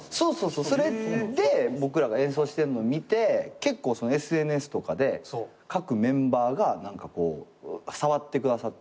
それで僕らが演奏してるのを見て結構ＳＮＳとかで各メンバーが何かこうさわってくださって。